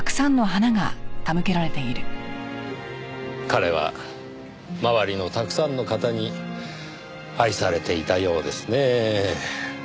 彼は周りのたくさんの方に愛されていたようですねぇ。